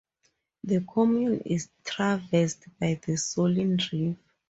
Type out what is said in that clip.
The commune is traversed by the Solin River.